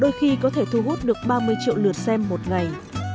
chỉ có thể thu hút được ba mươi triệu lượt xem một ngày